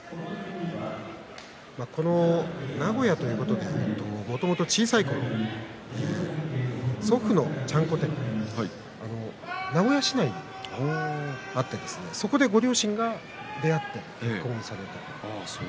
この名古屋ということでもともと小さいころ祖父のちゃんこ店名古屋市内にあったようでそこでご両親が出会って結婚されたと。